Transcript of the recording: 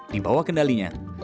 di bawah kendalinya